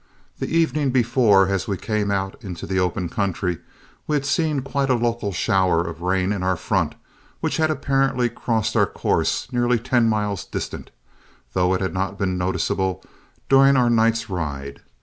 The evening before, as we came out into the open country, we had seen quite a local shower of rain in our front, which had apparently crossed our course nearly ten miles distant, though it had not been noticeable during our night's ride.